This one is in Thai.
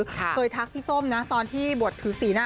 เคยทักพี่ส้มตอนที่บวชถือศรีนะ